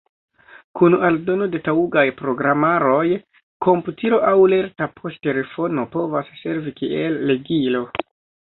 Kun aldono de taŭgaj programaroj komputilo aŭ lerta poŝtelefono povas servi kiel legilo.